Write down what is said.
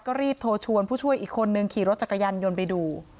ก็รีบโทรชวนผู้ช่วยอีกคนนึงขี่รถจักรยานยนต์ไปดู